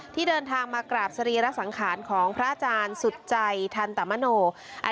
ที่เดินทางมากราบสรีระสังขารของพระอาจารย์สุดใจทันตมโน